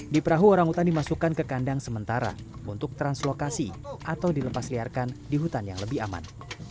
di perahu orangutan dimasukkan ke kandang sementara untuk translokasi atau dilepasliarkan di hutan yang lebih aman